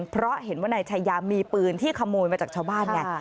เพราะเห็นว่านายชายามีปืนที่ขโมยมาจากชาวบ้านไง